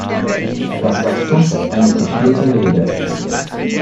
Das war fast eine kopierte Rede.